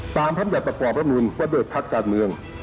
ตามพันธุ์จัดประกอบรับมูลว่าโดยพัฒน์การเมือง